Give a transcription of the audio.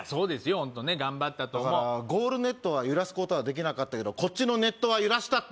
ホントね頑張ったと思うゴールネットは揺らすことはできなかったけどこっちのネットは揺らしたって！